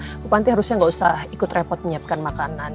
ibu panti harusnya nggak usah ikut repot menyiapkan makanan